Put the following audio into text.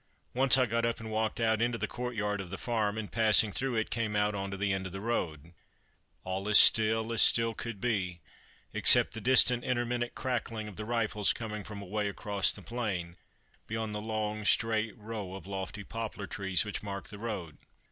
Once I got up and walked out into the courtyard of the farm, and passing through it came out on to the end of the road. All as still as still could be, except the distant intermittent cracking of the rifles coming from away across the plain, beyond the long straight row of lofty poplar trees which marked the road.